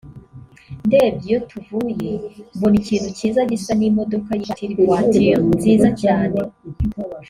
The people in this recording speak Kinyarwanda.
ndebye iyo tuvuye mbona ikintu kiza gisa n’imodoka y’ivatiri (voiture) nziza cyane